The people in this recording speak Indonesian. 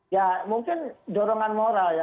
ya mungkin dorongan moral ya